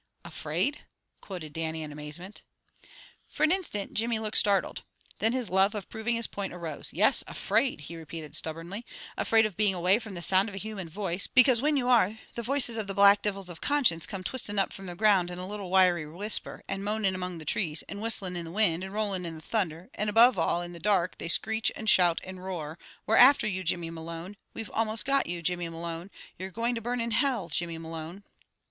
"Afraid?" quoted Dannie, in amazement. For an instant Jimmy looked startled. Then his love of proving his point arose. "Yes, afraid!" he repeated stubbornly. "Afraid of being away from the sound of a human voice, because whin you are, the voices of the black divils of conscience come twistin' up from the ground in a little wiry whisper, and moanin' among the trees, and whistlin' in the wind, and rollin' in the thunder, and above all in the dark they screech, and shout, and roar,'We're after you, Jimmy Malone! We've almost got you, Jimmy Malone! You're going to burn in Hell, Jimmy Malone!'"